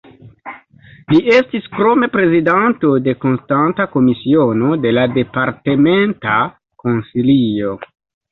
Li estis krome prezidanto de konstanta komisiono de la Departementa Konsilio.